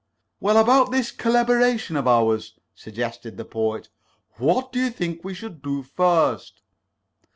"Well, about this collaboration of ours," suggested the Poet. "What do you think we should do first?"